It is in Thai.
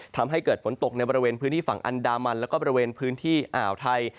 ทำให้เกิดฝนตกในบริเวณฝั่งอนดามันและเป็นบริเวณอ่าวไทย